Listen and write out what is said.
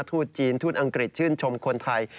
ทูตจีนทูตอังกฤษชื่นชมคนไทย